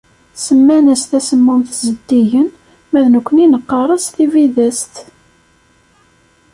Semman-as tasemmumt zeddigen, ma d nekni neqqar-as tibidest.